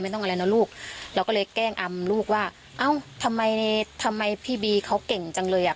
ต้องอะไรนะลูกเราก็เลยแกล้งอำลูกว่าเอ้าทำไมในทำไมพี่บีเขาเก่งจังเลยอ่ะ